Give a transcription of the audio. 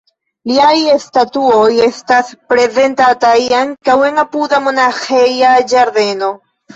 Liaj statuoj estas prezentataj ankaŭ en apuda monaĥeja ĝardeno.